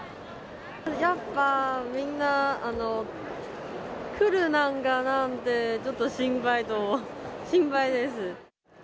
やっぱ、みんな、来るのかなって、ちょっと心配と、心配です。